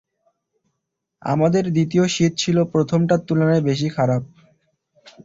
আমাদের দ্বিতীয় শীত ছিল প্রথমটার তুলনায় বেশি খারাপ।